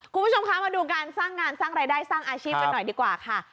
คุณผู้ชมคะมาดูการสร้างงานสร้างรายได้สร้างอาชีพกันหน่อยดีกว่าค่ะ